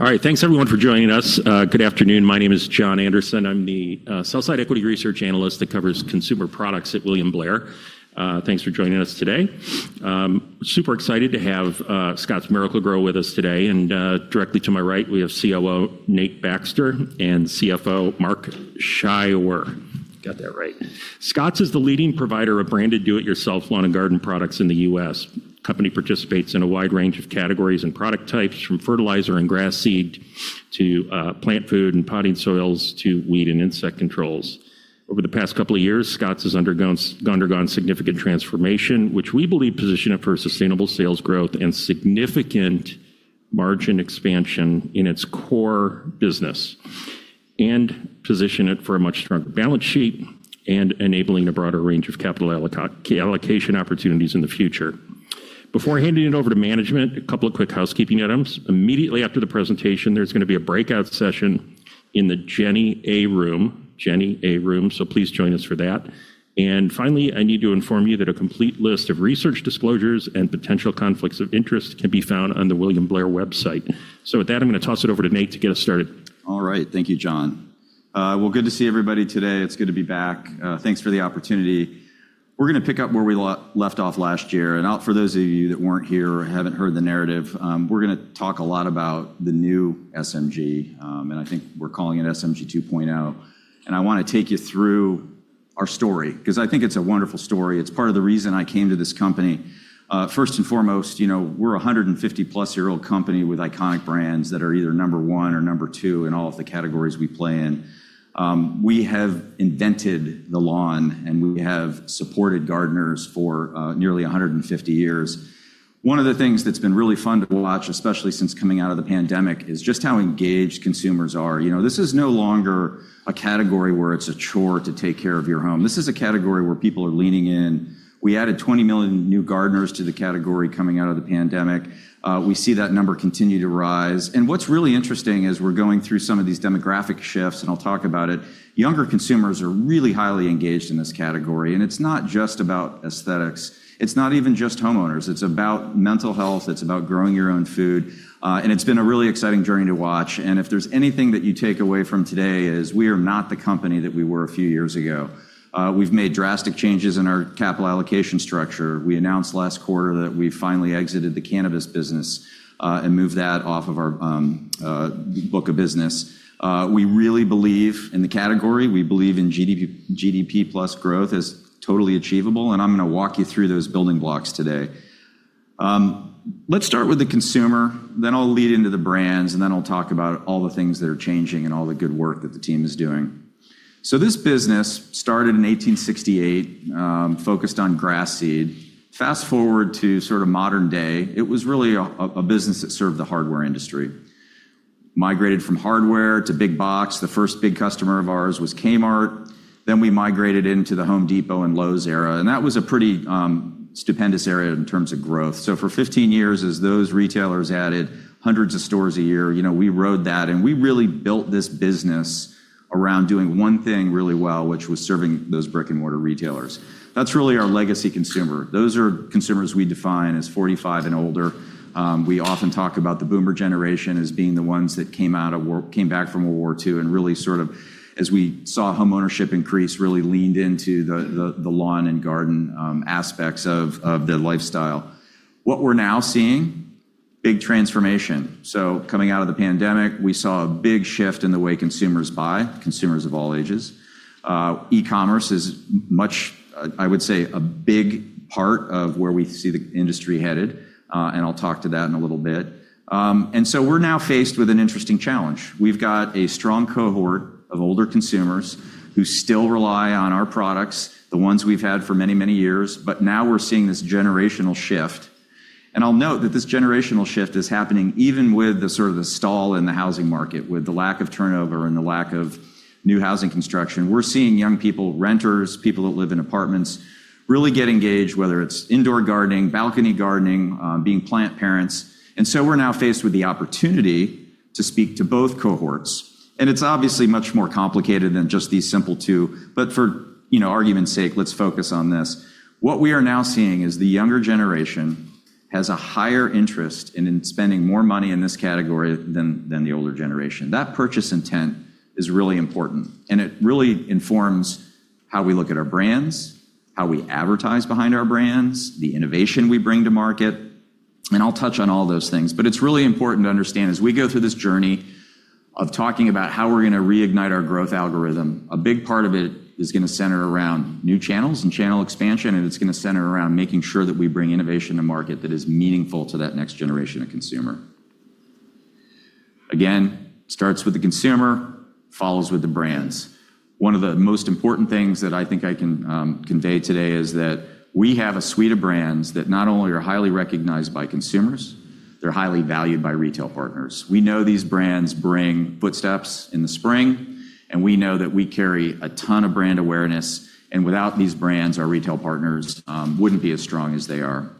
All right. Thanks everyone for joining us. Good afternoon. My name is Jon Andersen. I'm the Sell-Side Equity Research Analyst that covers consumer products at William Blair. Thanks for joining us today. I'm super excited to have The Scotts Miracle-Gro with us today. Directly to my right, we have COO Nate Baxter and CFO Mark Scheiwer. Got that right. Scotts is the leading provider of branded do-it-yourself lawn and garden products in the U.S. The company participates in a wide range of categories and product types, from fertilizer and grass seed to plant food and potting soils to weed and insect controls. Over the past couple of years, Scotts has undergone significant transformation, which we believe position it for sustainable sales growth and significant margin expansion in its core business, and position it for a much stronger balance sheet and enabling a broader range of capital allocation opportunities in the future. Before handing it over to management, a couple of quick housekeeping items. Immediately after the presentation, there's going to be a breakout session in the Jenny A room. Please join us for that. Finally, I need to inform you that a complete list of research disclosures and potential conflicts of interest can be found on the William Blair website. With that, I'm going to toss it over to Nate to get us started. All right. Thank you, Jon. Well, good to see everybody today. It's good to be back. Thanks for the opportunity. We're going to pick up where we left off last year. For those of you that weren't here or haven't heard the narrative, we're going to talk a lot about the new SMG. I think we're calling it SMG 2.0. I want to take you through our story because I think it's a wonderful story. It's part of the reason I came to this company. First and foremost, we're a 150+ year-old company with iconic brands that are either number one or number two in all of the categories we play in. We have invented the lawn. We have supported gardeners for nearly 150 years. One of the things that's been really fun to watch, especially since coming out of the pandemic, is just how engaged consumers are. This is no longer a category where it's a chore to take care of your home. This is a category where people are leaning in. We added 20 million new gardeners to the category coming out of the pandemic. We see that number continue to rise. What's really interesting is we're going through some of these demographic shifts, and I'll talk about it. Younger consumers are really highly engaged in this category. It's not just about aesthetics. It's not even just homeowners. It's about mental health. It's about growing your own food. It's been a really exciting journey to watch. If there's anything that you take away from today is we are not the company that we were a few years ago. We've made drastic changes in our capital allocation structure. We announced last quarter that we finally exited the cannabis business and moved that off of our book of business. We really believe in the category. We believe in GDP+ growth is totally achievable, and I'm going to walk you through those building blocks today. Let's start with the consumer, then I'll lead into the brands, and then I'll talk about all the things that are changing and all the good work that the team is doing. This business started in 1868, focused on grass seed. Fast-forward to sort of modern day, it was really a business that served the hardware industry. Migrated from hardware to big box. The first big customer of ours was Kmart. We migrated into The Home Depot and Lowe's era, and that was a pretty stupendous era in terms of growth. For 15 years, as those retailers added hundreds of stores a year, we rode that, and we really built this business around doing one thing really well, which was serving those brick-and-mortar retailers. That's really our legacy consumer. Those are consumers we define as 45 years and older. We often talk about the boomer generation as being the ones that came back from World War II and really sort of, as we saw home ownership increase, really leaned into the lawn and garden aspects of the lifestyle. What we're now seeing, big transformation. Coming out of the pandemic, we saw a big shift in the way consumers buy, consumers of all ages. E-commerce is much, I would say, a big part of where we see the industry headed, and I'll talk to that in a little bit. We're now faced with an interesting challenge. We've got a strong cohort of older consumers who still rely on our products, the ones we've had for many, many years. Now we're seeing this generational shift, and I'll note that this generational shift is happening even with the sort of the stall in the housing market, with the lack of turnover and the lack of new housing construction. We're seeing young people, renters, people that live in apartments really get engaged, whether it's indoor gardening, balcony gardening, being plant parents. We're now faced with the opportunity to speak to both cohorts. It's obviously much more complicated than just these simple two, but for argument's sake, let's focus on this. What we are now seeing is the younger generation has a higher interest in spending more money in this category than the older generation. That purchase intent is really important, it really informs how we look at our brands, how we advertise behind our brands, the innovation we bring to market, and I'll touch on all those things. It's really important to understand as we go through this journey of talking about how we're going to reignite our growth algorithm, a big part of it is going to center around new channels and channel expansion, and it's going to center around making sure that we bring innovation to market that is meaningful to that next generation of consumer. Again, starts with the consumer, follows with the brands. One of the most important things that I think I can convey today is that we have a suite of brands that not only are highly recognized by consumers, they're highly valued by retail partners. We know these brands bring footsteps in the spring. We know that we carry a ton of brand awareness. Without these brands, our retail partners wouldn't be as strong as they are.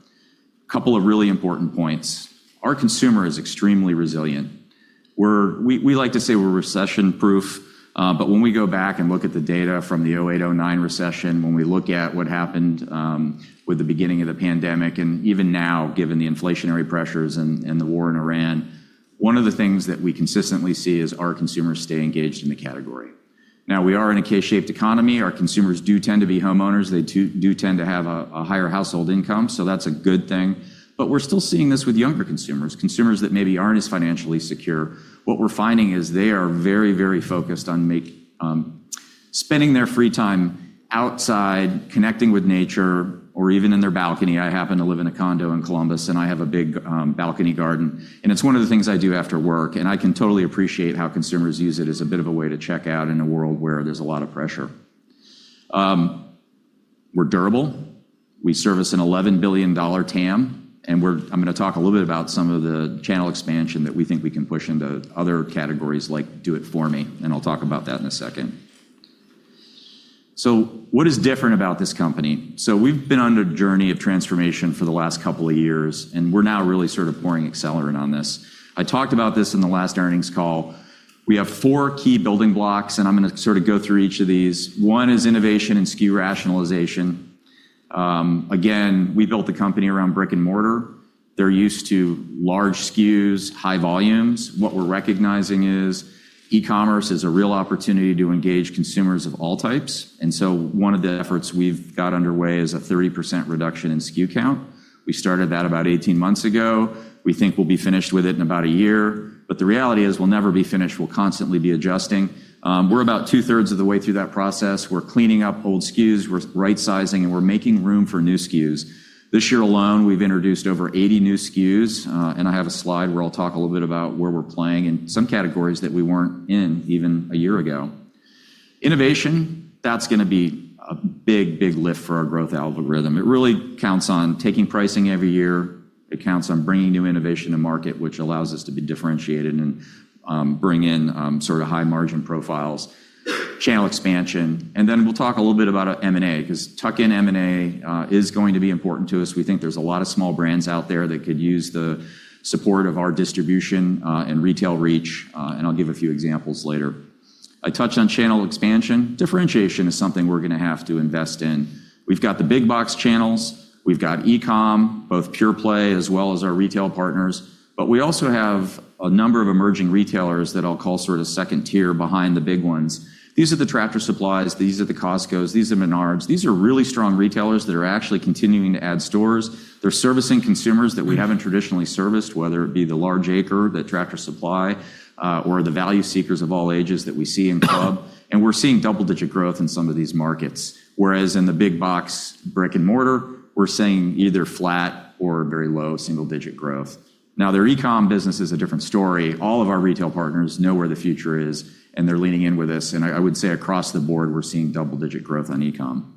Couple of really important points. Our consumer is extremely resilient. We like to say we're recession-proof. When we go back and look at the data from the 2008, 2009 recession, when we look at what happened with the beginning of the pandemic, even now, given the inflationary pressures and the war in Iran, one of the things that we consistently see is our consumers stay engaged in the category. We are in a K-shaped economy. Our consumers do tend to be homeowners. They do tend to have a higher household income, that's a good thing. We're still seeing this with younger consumers that maybe aren't as financially secure. What we're finding is they are very focused on spending their free time outside, connecting with nature or even in their balcony. I happen to live in a condo in Columbus, and I have a big balcony garden, and it's one of the things I do after work, and I can totally appreciate how consumers use it as a bit of a way to check out in a world where there's a lot of pressure. We're durable. We service an $11 billion TAM, and I'm going to talk a little bit about some of the channel expansion that we think we can push into other categories, like do- it-for-me, and I'll talk about that in a second. What is different about this company? We've been on a journey of transformation for the last couple of years, and we're now really sort of pouring accelerant on this. I talked about this in the last earnings call. We have four key building blocks, and I'm going to go through each of these. One is innovation and SKU rationalization. Again, we built the company around brick-and-mortar. They're used to large SKUs, high volumes. What we're recognizing is e-commerce is a real opportunity to engage consumers of all types. One of the efforts we've got underway is a 30% reduction in SKU count. We started that about 18 months ago. We think we'll be finished with it in about a year. The reality is we'll never be finished. We'll constantly be adjusting. We're about two-thirds of the way through that process. We're cleaning up old SKUs, we're right-sizing, and we're making room for new SKUs. This year alone, we've introduced over 80 new SKUs, and I have a slide where I'll talk a little bit about where we're playing in some categories that we weren't in even a year ago. Innovation, that's going to be a big lift for our growth algorithm. It really counts on taking pricing every year. It counts on bringing new innovation to market, which allows us to be differentiated and bring in high margin profiles, channel expansion. Then we'll talk a little bit about M&A, because tuck-in M&A is going to be important to us. We think there's a lot of small brands out there that could use the support of our distribution, and retail reach, and I'll give a few examples later. I touched on channel expansion. Differentiation is something we're going to have to invest in. We've got the big box channels. We've got e-com, both pure play as well as our retail partners. We also have a number of emerging retailers that I'll call second tier behind the big ones. These are the Tractor Supplies, these are the Costcos, these are Menards. These are really strong retailers that are actually continuing to add stores. They're servicing consumers that we haven't traditionally serviced, whether it be the large acre, the Tractor Supply, or the value seekers of all ages that we see in club. We're seeing double-digit growth in some of these markets. Whereas in the big box brick-and-mortar, we're seeing either flat or very low single-digit growth. Now, their e-com business is a different story. All of our retail partners know where the future is, and they're leaning in with us. I would say across the board, we're seeing double-digit growth on e-com.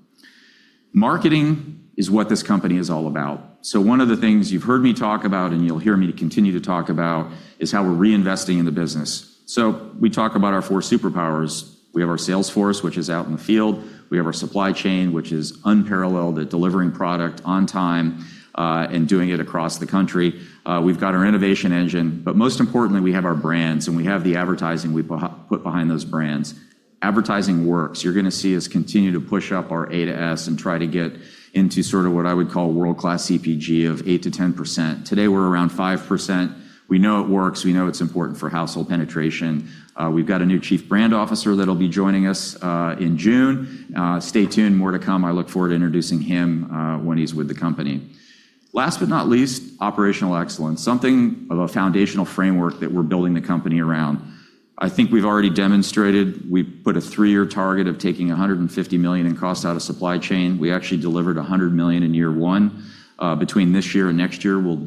Marketing is what this company is all about. One of the things you've heard me talk about, and you'll hear me continue to talk about, is how we're reinvesting in the business. We talk about our four superpowers. We have our sales force, which is out in the field. We have our supply chain, which is unparalleled at delivering product on time, and doing it across the country. We've got our innovation engine, but most importantly, we have our brands, and we have the advertising we put behind those brands. Advertising works. You're going to see us continue to push up our A to S and try to get into sort of what I would call world-class CPG of 8%-10%. Today, we're around 5%. We know it works. We know it's important for household penetration. We've got a new Chief Brand Officer that'll be joining us in June. Stay tuned, more to come. I look forward to introducing him when he's with the company. Last but not least, operational excellence, something of a foundational framework that we're building the company around. I think we've actually demonstrated, we put a three-year target of taking $150 million in cost out of supply chain. We actually delivered $100 million in year one. Between this year and next year, we'll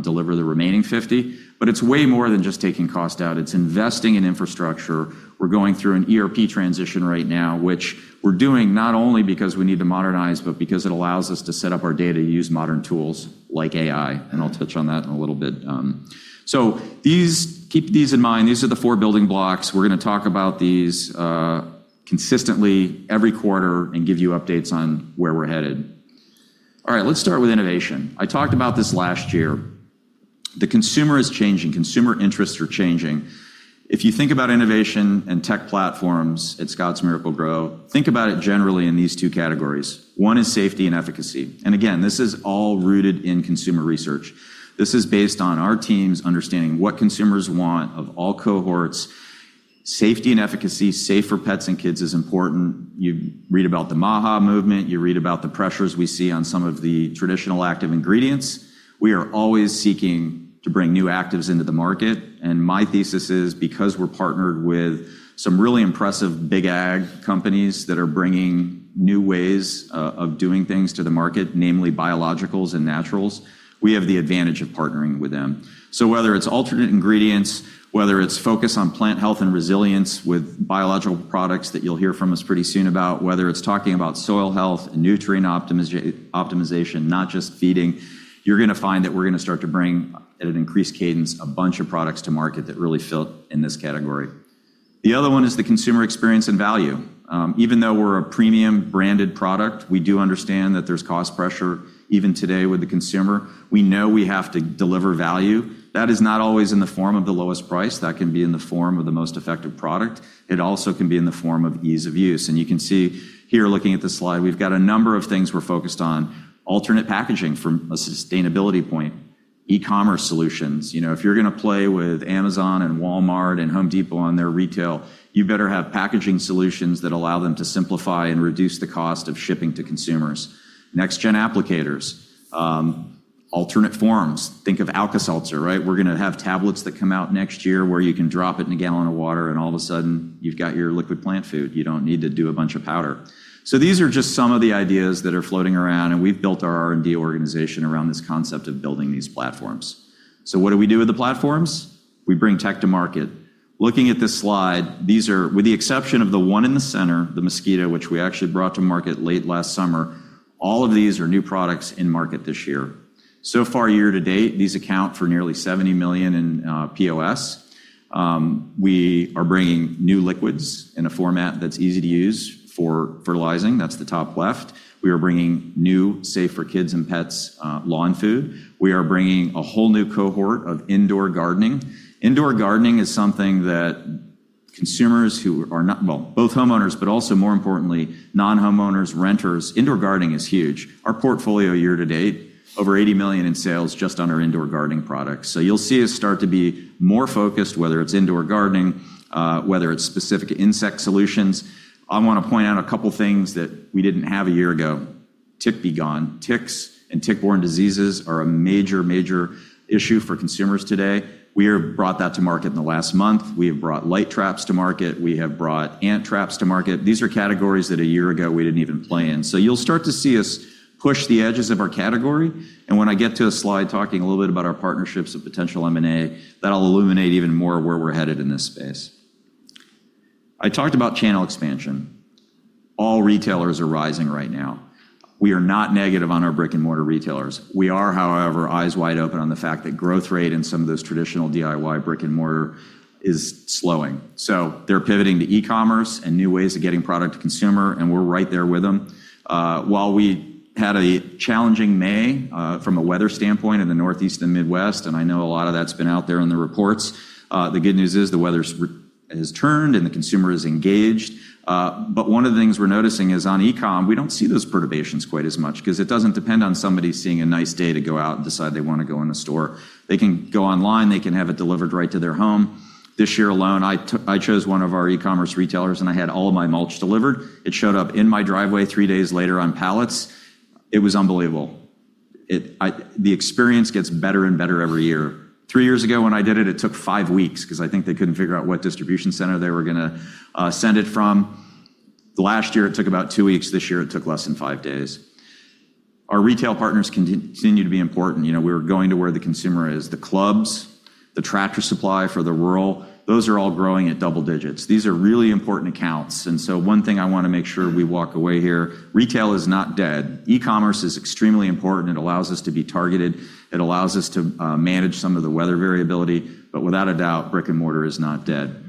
deliver the remaining 50. It's way more than just taking cost out. It's investing in infrastructure. We're going through an ERP transition right now, which we're doing not only because we need to modernize, but because it allows us to set up our data to use modern tools like AI. I'll touch on that in a little bit. Keep these in mind. These are the four building blocks. We're going to talk about these consistently every quarter and give you updates on where we're headed. All right. Let's start with innovation. I talked about this last year. The consumer is changing. Consumer interests are changing. If you think about innovation and tech platforms at Scotts Miracle-Gro, think about it generally in these two categories. One is safety and efficacy. Again, this is all rooted in consumer research. This is based on our teams understanding what consumers want of all cohorts. Safety and efficacy, safe for pets and kids is important. You read about the MAHA movement. You read about the pressures we see on some of the traditional active ingredients. We are always seeking to bring new actives into the market. My thesis is, because we're partnered with some really impressive big Ag companies that are bringing new ways of doing things to the market, namely biologicals and naturals, we have the advantage of partnering with them. Whether it's alternate ingredients, whether it's focus on plant health and resilience with biological products that you'll hear from us pretty soon about, whether it's talking about soil health, nutrient optimization, not just feeding, you're going to find that we're going to start to bring at an increased cadence, a bunch of products to market that really fit in this category. The other one is the consumer experience and value. Even though we're a premium branded product, we do understand that there's cost pressure even today with the consumer. We know we have to deliver value. That is not always in the form of the lowest price. That can be in the form of the most effective product. It also can be in the form of ease of use. You can see here looking at this slide, we've got a number of things we're focused on: alternate packaging from a sustainability point, e-commerce solutions—if you're going to play with Amazon and Walmart and The Home Depot on their retail, you better have packaging solutions that allow them to simplify and reduce the cost of shipping to consumers—next-gen application, alternate forms—think of Alka-Seltzer. We're going to have tablets that come out next year where you can drop it in a gallon of water, and all of a sudden you've got your liquid plant food. You don't need to do a bunch of powder. These are just some of the ideas that are floating around, and we've built our R&D organization around this concept of building these platforms. What do we do with the platforms? We bring tech to market. Looking at this slide, these are, with the exception of the one in the center, the Mosquito, which we actually brought to market late last summer, all of these are new products in market this year. Year to date, these account for nearly $70 million in POS. We are bringing new liquids in a format that's easy to use for fertilizing. That's the top left. We are bringing new safe for kids and pets lawn food. We are bringing a whole new cohort of indoor gardening. Consumers who are not, well, both homeowners, but also more importantly, non-homeowners, renters, indoor gardening is huge. Our portfolio year to date, over $80 million in sales just on our indoor gardening products. You'll see us start to be more focused, whether it's indoor gardening, whether it's specific insect solutions. I want to point out a couple things that we didn't have a year ago. Tick B-gon. Ticks and tick-borne diseases are a major issue for consumers today. We have brought that to market in the last month. We have brought light traps to market. We have brought ant traps to market. These are categories that a year ago we didn't even play in. You'll start to see us push the edges of our category. When I get to a slide talking a little bit about our partnerships with potential M&A, that'll illuminate even more where we're headed in this space. I talked about channel expansion. All retailers are rising right now. We are not negative on our brick-and-mortar retailers. We are, however, eyes wide open on the fact that growth rate in some of those traditional DIY brick-and-mortar is slowing. They're pivoting to e-commerce and new ways of getting product to consumer, and we're right there with them. While we had a challenging May, from a weather standpoint in the Northeast and Midwest, and I know a lot of that's been out there in the reports, the good news is the weather has turned and the consumer is engaged. One of the things we're noticing is on e-com, we don't see those perturbations quite as much because it doesn't depend on somebody seeing a nice day to go out and decide they want to go in a store. They can go online. They can have it delivered right to their home. This year alone, I chose one of our e-commerce retailers, and I had all of my mulch delivered. It showed up in my driveway three days later on pallets. It was unbelievable. The experience gets better and better every year. Three years ago when I did it took five weeks because I think they couldn't figure out what distribution center they were going to send it from. Last year, it took about two weeks. This year it took less than five days. Our retail partners continue to be important. We're going to where the consumer is. The clubs, the Tractor Supply for the rural, those are all growing at double-digits. These are really important accounts. One thing I want to make sure we walk away here, retail is not dead. E-commerce is extremely important. It allows us to be targeted. It allows us to manage some of the weather variability. Without a doubt, brick-and-mortar is not dead.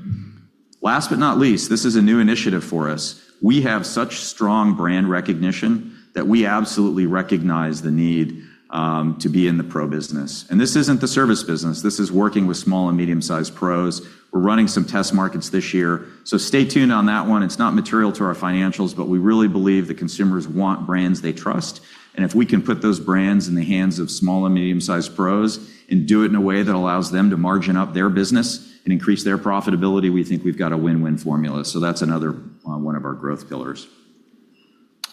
Last but not least, this is a new initiative for us. We have such strong brand recognition that we absolutely recognize the need to be in the pro business. This isn't the service business. This is working with small and medium-sized pros. We're running some test markets this year, so stay tuned on that one. It's not material to our financials, but we really believe that consumers want brands they trust. If we can put those brands in the hands of small and medium-sized pros and do it in a way that allows them to margin up their business and increase their profitability, we think we've got a win-win formula. That's another one of our growth pillars.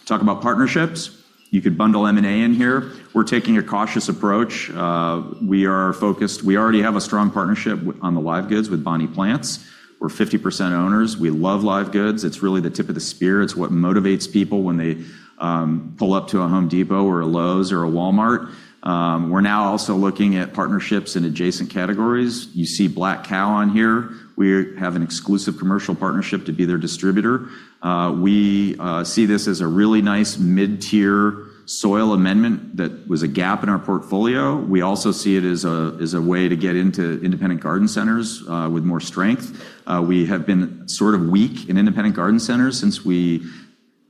Talk about partnerships. You could bundle M&A in here. We're taking a cautious approach. We are focused. We already have a strong partnership on the live goods with Bonnie Plants. We're 50% owners. We love live goods. It's really the tip of the spear. It's what motivates people when they pull up to a Home Depot or a Lowe's or a Walmart. We're now also looking at partnerships in adjacent categories. You see Black Kow on here. We have an exclusive commercial partnership to be their distributor. We see this as a really nice mid-tier soil amendment that was a gap in our portfolio. We also see it as a way to get into independent garden centers with more strength. We have been sort of weak in independent garden centers since we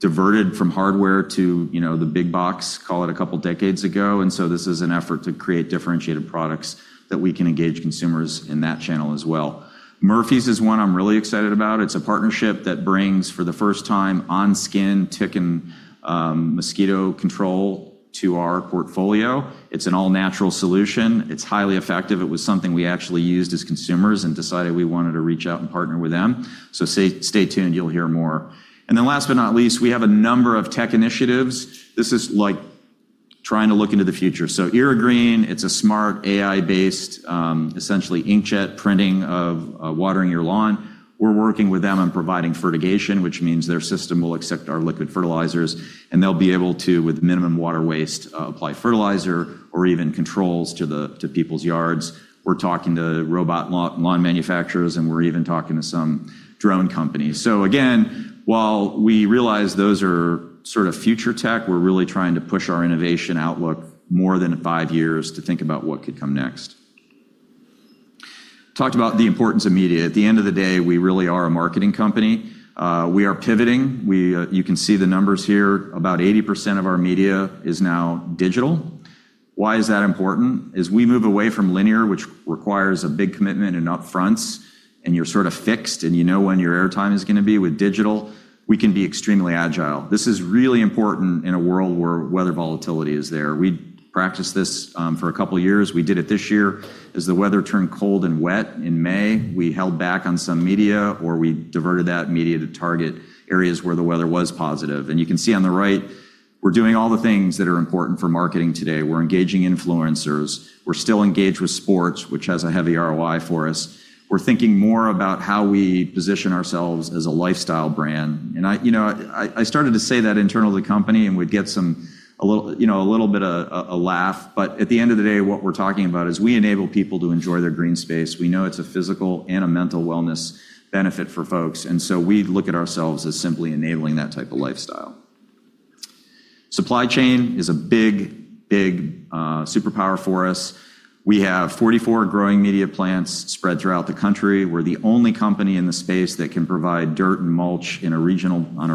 diverted from hardware to the big box, call it a couple decades ago. This is an effort to create differentiated products that we can engage consumers in that channel as well. Murphy's is one I'm really excited about. It's a partnership that brings, for the first time, on skin tick and mosquito control to our portfolio. It's an all-natural solution. It's highly effective. It was something we actually used as consumers and decided we wanted to reach out and partner with them. Stay tuned. You'll hear more. Last but not least, we have a number of tech initiatives. This is like trying to look into the future. Irrigreen, it's a smart AI-based, essentially inkjet printing of watering your lawn. We're working with them on providing fertigation, which means their system will accept our liquid fertilizers, and they'll be able to, with minimum water waste, apply fertilizer or even controls to people's yards. We're talking to robot lawn manufacturers, and we're even talking to some drone companies. Again, while we realize those are sort of future tech, we're really trying to push our innovation outlook more than five years to think about what could come next. We talked about the importance of media. At the end of the day, we really are a marketing company. We are pivoting. You can see the numbers here. About 80% of our media is now digital. Why is that important? As we move away from linear, which requires a big commitment in up-fronts, and you're sort of fixed and you know when your airtime is going to be, with digital, we can be extremely agile. This is really important in a world where weather volatility is there. We practiced this for a couple of years. We did it this year. As the weather turned cold and wet in May, we held back on some media, or we diverted that media to target areas where the weather was positive. You can see on the right, we're doing all the things that are important for marketing today. We're engaging influencers. We're still engaged with sports, which has a heavy ROI for us. We're thinking more about how we position ourselves as a lifestyle brand. I started to say that internal to the company, and we'd get a little bit of a laugh. At the end of the day, what we're talking about is we enable people to enjoy their green space. We know it's a physical and a mental wellness benefit for folks. We look at ourselves as simply enabling that type of lifestyle. Supply chain is a big, big superpower for us. We have 44 growing media plants spread throughout the country. We're the only company in the space that can provide dirt and mulch on a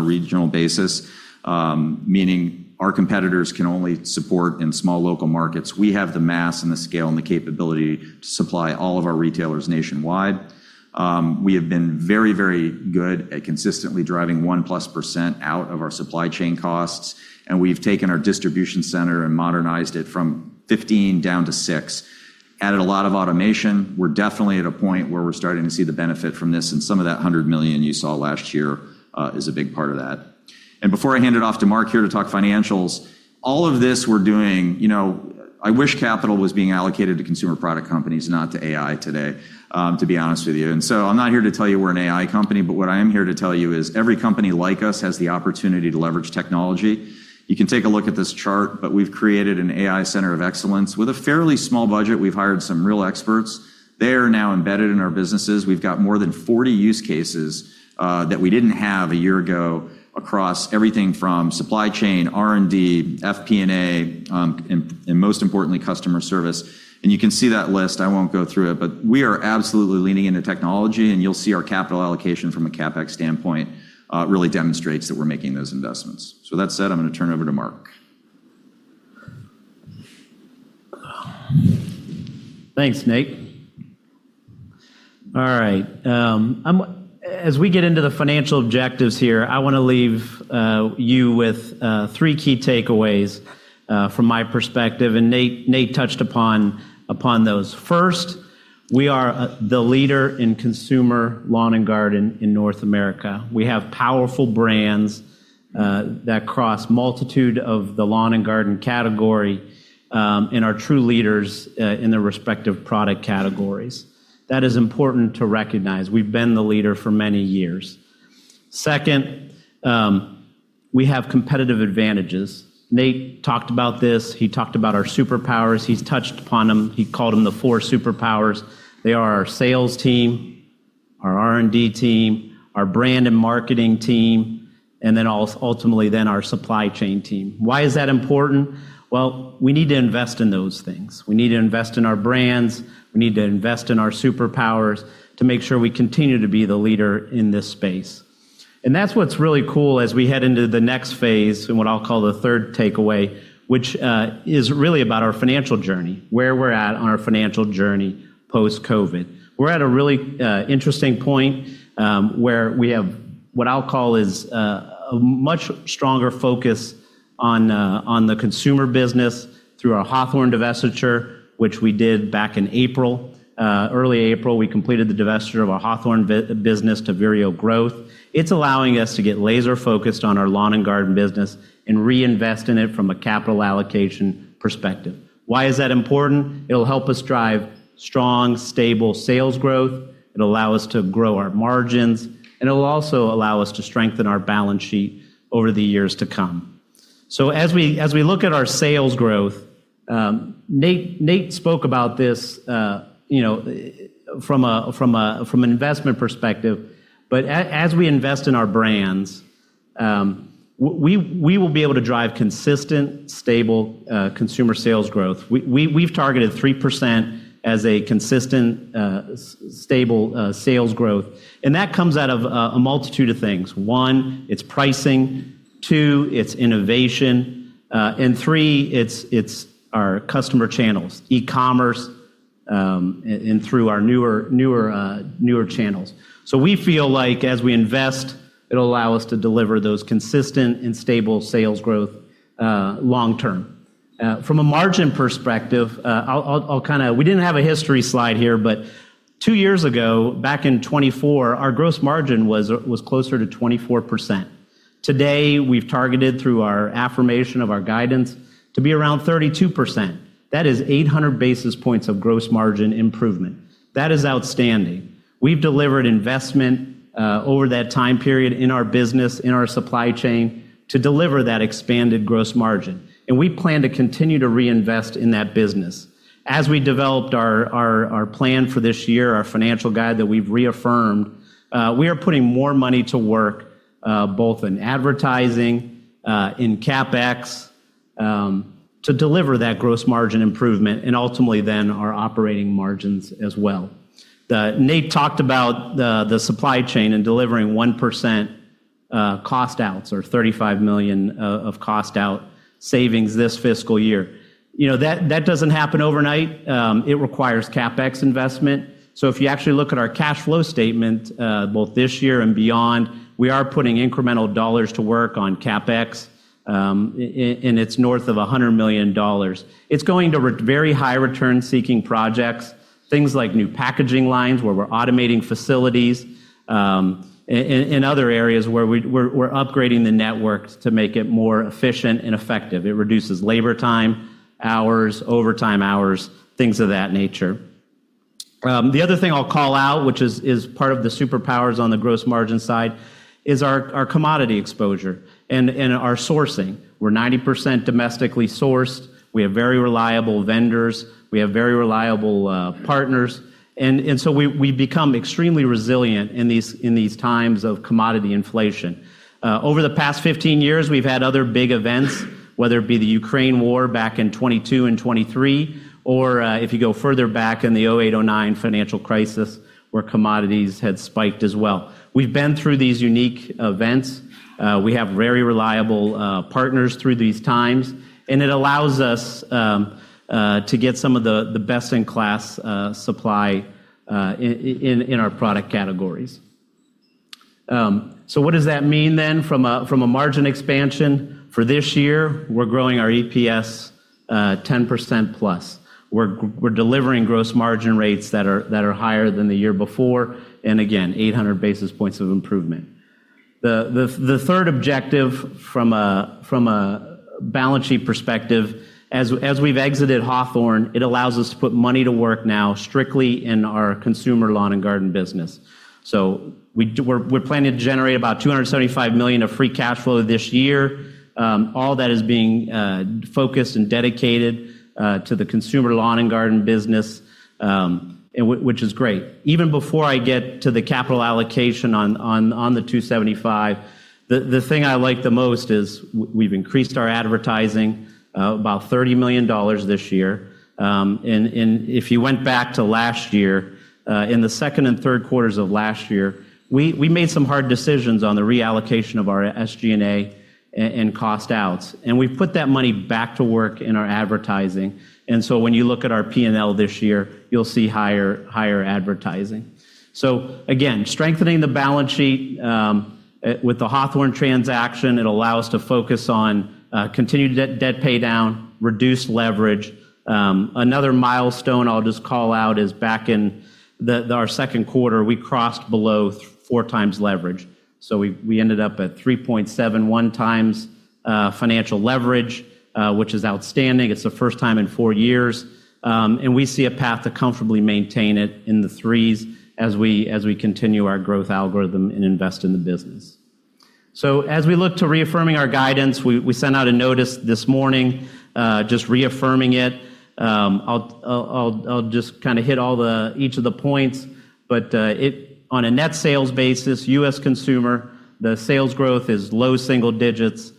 regional basis, meaning our competitors can only support in small local markets. We have the mass and the scale and the capability to supply all of our retailers nationwide. We have been very, very good at consistently driving 1%+ out of our supply chain costs, and we've taken our distribution center and modernized it from 15 down to six, and added a lot of automation. We're definitely at a point where we're starting to see the benefit from this, and some of that $100 million you saw last year is a big part of that. Before I hand it off to Mark here to talk financials, all of this we're doing— I wish capital was being allocated to consumer product companies, not to AI today, to be honest with you. I'm not here to tell you we're an AI company, but what I am here to tell you is every company like us has the opportunity to leverage technology. You can take a look at this chart, we've created an AI center of excellence. With a fairly small budget, we've hired some real experts. They are now embedded in our businesses. We've got more than 40 use cases that we didn't have a year ago across everything from supply chain, R&D, FP&A, and most importantly, customer service. You can see that list. I won't go through it, but we are absolutely leaning into technology, and you'll see our capital allocation from a CapEx standpoint really demonstrates that we're making those investments. With that said, I'm going to turn it over to Mark. Thanks, Nate. All right. As we get into the financial objectives here, I want to leave you with three key takeaways from my perspective, and Nate touched upon those. First, we are the leader in consumer lawn and garden in North America. We have powerful brands that cross a multitude of the lawn and garden category and are true leaders in their respective product categories. That is important to recognize. We've been the leader for many years. Second, we have competitive advantages. Nate talked about this. He talked about our superpowers. He's touched upon them. He called them the four superpowers. They are our sales team, our R&D team, our brand and marketing team, and then ultimately, our supply chain team. Why is that important? Well, we need to invest in those things. We need to invest in our brands. We need to invest in our superpowers to make sure we continue to be the leader in this space. That's what's really cool as we head into the next phase and what I'll call the third takeaway, which is really about our financial journey, where we're at on our financial journey post-COVID. We're at a really interesting point, where we have what I'll call is a much stronger focus on the consumer business through our Hawthorne divestiture, which we did back in April. Early April, we completed the divesture of our Hawthorne business to Vireo Growth. It's allowing us to get laser-focused on our lawn and garden business and reinvest in it from a capital allocation perspective. Why is that important? It'll help us drive strong, stable sales growth. It'll allow us to grow our margins, and it'll also allow us to strengthen our balance sheet over the years to come. As we look at our sales growth, Nate spoke about this from an investment perspective. As we invest in our brands, we will be able to drive consistent, stable consumer sales growth. We've targeted 3% as a consistent, stable sales growth, and that comes out of a multitude of things. One, it's pricing. Two, it's innovation, and three, it's our customer channels, e-commerce, and through our newer channels. We feel like as we invest, it'll allow us to deliver those consistent and stable sales growth long term. From a margin perspective, we didn't have a history slide here, but two years ago, back in 2024, our gross margin was closer to 24%. Today, we've targeted through our affirmation of our guidance to be around 32%. That is 800 basis points of gross margin improvement. That is outstanding. We've delivered investment over that time period in our business, in our supply chain to deliver that expanded gross margin, and we plan to continue to reinvest in that business. As we developed our plan for this year, our financial guide that we've reaffirmed, we are putting more money to work, both in advertising, in CapEx to deliver that gross margin improvement and ultimately then our operating margins as well. Nate talked about the supply chain and delivering 1% cost outs or $35 million of cost out savings this fiscal year. That doesn't happen overnight. It requires CapEx investment. If you actually look at our cash flow statement both this year and beyond, we are putting incremental dollars to work on CapEx, and it's north of $100 million. It's going to very high-return seeking projects, things like new packaging lines where we're automating facilities, and other areas where we're upgrading the networks to make it more efficient and effective. It reduces labor time hours, overtime hours, things of that nature. The other thing I'll call out, which is part of the superpowers on the gross margin side, is our commodity exposure and our sourcing. We're 90% domestically sourced. We have very reliable vendors. We have very reliable partners. We become extremely resilient in these times of commodity inflation. Over the past 15 years, we've had other big events, whether it be the Ukraine war back in 2022 and 2023, or if you go further back in the 2008, 2009 financial crisis, where commodities had spiked as well. We've been through these unique events. We have very reliable partners through these times. It allows us to get some of the best-in-class supply in our product categories. What does that mean then from a margin expansion for this year? We're growing our EPS 10%+. We're delivering gross margin rates that are higher than the year before, again, 800 basis points of improvement. The third objective from a balance sheet perspective, as we've exited Hawthorne, it allows us to put money to work now strictly in our consumer lawn and garden business. We're planning to generate about $275 million of free cash flow this year. All that is being focused and dedicated to the consumer lawn and garden business, which is great. Even before I get to the capital allocation on the $275 million, the thing I like the most is we've increased our advertising about $30 million this year. If you went back to last year, in the second and third quarters of last year, we made some hard decisions on the reallocation of our SG&A and cost outs. We've put that money back to work in our advertising. When you look at our P&L this year, you'll see higher advertising. Again, strengthening the balance sheet, with the Hawthorne transaction, it allow us to focus on continued debt pay down, reduced leverage. Another milestone I'll just call out is back in our second quarter, we crossed below 4x leverage. We ended up at 3.71x financial leverage, which is outstanding. It's the first time in four years. We see a path to comfortably maintain it in the 3x range as we continue our growth algorithm and invest in the business. As we look to reaffirming our guidance, we sent out a notice this morning, just reaffirming it. I'll just hit each of the points. On a net sales basis, U.S. consumer, the sales growth is low single-digits.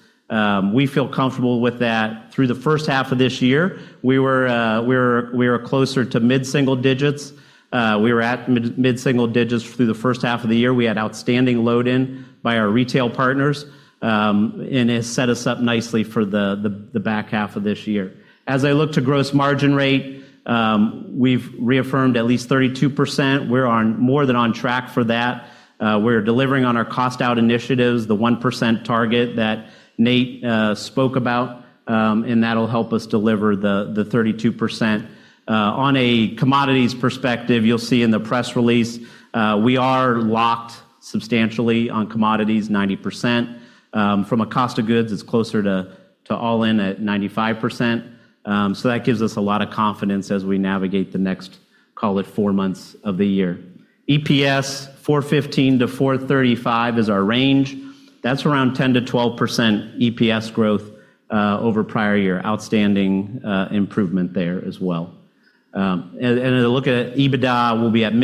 We feel comfortable with that. Through the first half of this year, we were closer to mid-single-digits. We were at mid-single-digits through the first half of the year. We had outstanding load-in by our retail partners, and it set us up nicely for the back half of this year. As I look to gross margin rate, we've reaffirmed at least 32%. We're more than on track for that. We're delivering on our cost-out initiatives, the 1% target that Nate spoke about, and that'll help us deliver the 32%. On a commodities perspective, you'll see in the press release, we are locked substantially on commodities 90%. From a cost of goods, it's closer to all-in at 95%. That gives us a lot of confidence as we navigate the next, call it four months of the year. EPS $4.15-$435 is our range. That's around 10%-12% EPS growth over prior year. Outstanding improvement there as well. Look at EBITDA, we'll be at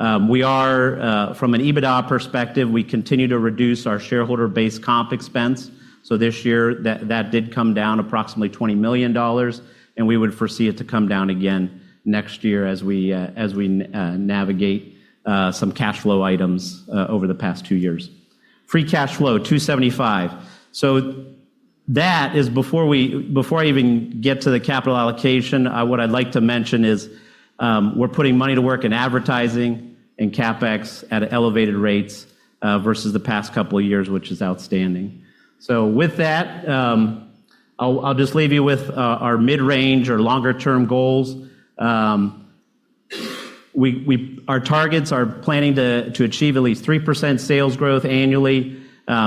mid-single-digits. From an EBITDA perspective, we continue to reduce our shareholder base comp expense. This year, that did come down approximately $20 million, and we would foresee it to come down again next year as we navigate some cash flow items over the past two years. Free cash flow, $275 million. That is before I even get to the capital allocation, what I'd like to mention is we're putting money to work in advertising and CapEx at elevated rates versus the past couple of years, which is outstanding. With that, I'll just leave you with our mid-range or longer-term goals. Our targets are planning to achieve at least 3% sales growth annually.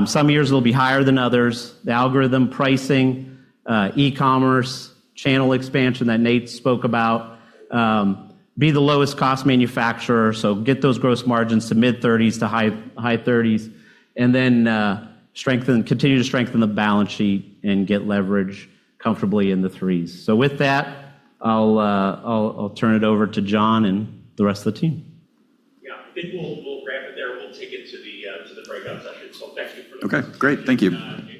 Some years will be higher than others. The algorithm pricing, e-commerce, channel expansion that Nate spoke about. Be the lowest cost manufacturer. Get those gross margins to mid-30% to high 30%, and then continue to strengthen the balance sheet and get leverage comfortably in the 3x range. With that, I'll turn it over to Jon and the rest of the team. I think we'll wrap it there. We'll take it to the breakout sessions. Thank you- Okay, great. Thank you.... Nate and Mark.